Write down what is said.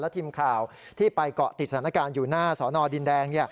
ทีมข่าวที่ไปเกาะติดสถานการณ์อยู่หน้าสอนอดินแดง